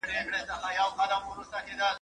o هر څوک بايد چي د خپلي کمبلي سره سمي پښې و غځوي.